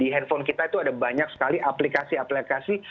di handphone kita itu ada banyak sekali aplikasi aplikasi